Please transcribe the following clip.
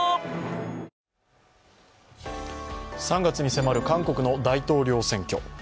３月に迫る韓国の大統領選挙。